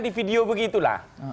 di video begitu lah